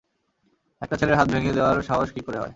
একটা ছেলের হাত ভেঙ্গে দেওয়ার সাহস কী করে হয়!